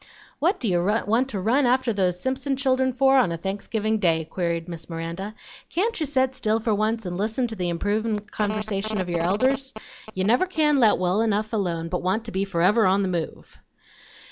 "What do you want to run after those Simpson children for on a Thanksgiving Day?" queried Miss Miranda. "Can't you set still for once and listen to the improvin' conversation of your elders? You never can let well enough alone, but want to be forever on the move."